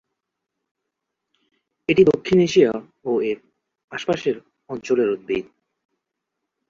এটি দক্ষিণ এশিয়া ও এর আশপাশের অঞ্চলের উদ্ভিদ।